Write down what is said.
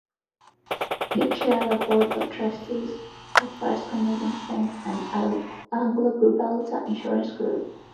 He chaired the board of trustees of First Canadian Funds and AngloGibraltar Insurance Group.